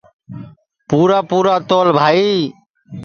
پُورا پُورا تول بھائی